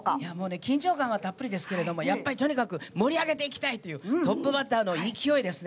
緊張感はたっぷりですけどとにかく盛り上げていきたいというトップバッターの勢いですね。